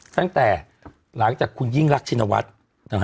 ตั้งแต่หลังจากคุณยิ่งรักชินวัฒน์นะฮะ